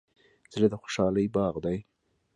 زړه د خوشحالۍ باغ دی.